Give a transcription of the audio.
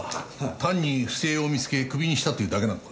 単に不正を見つけクビにしたというだけなのか？